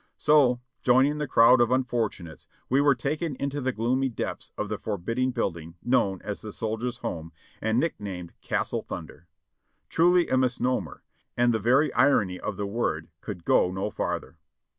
So, joining the crowd of unfortunates, we were taken into the gloomy depths of the forbidding building known as the Soldiers' Home and nick named Castle Thunder; truly a misnomer, and the very irony of the word could go no farther.